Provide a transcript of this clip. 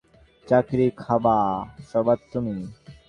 চাকরী খাবা সবার তুমি?